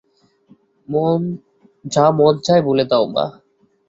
যা মন চায় বলে দাও, মা।